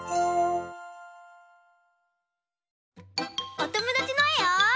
おともだちのえを。